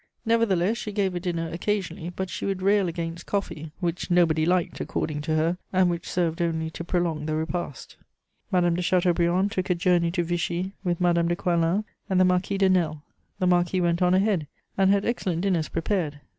Nevertheless she gave a dinner occasionally; but she would rail against coffee, which nobody liked, according to her, and which served only to prolong the repast. Madame de Chateaubriand took a journey to Vichy with Madame de Coislin and the Marquis de Nesle; the marquis went on ahead, and had excellent dinners prepared.